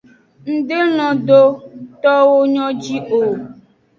Ng de lon do towo nyo ji o.